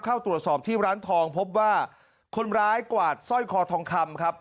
เข้าตรวจสอบที่ร้านทองพบว่าคนร้ายกวาดสร้อยคอทองคำครับ